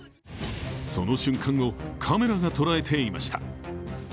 その瞬間をカメラが捉えていました。